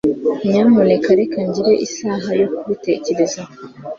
Nyamuneka reka ngire isaha yo kubitekerezaho.